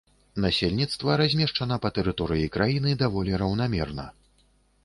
Насельніцтва размешчана па тэрыторыі краіны даволі раўнамерна.